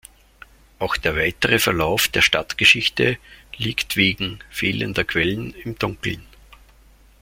Auch der weitere Verlauf der Stadtgeschichte liegt wegen fehlender Quellen im Dunkeln.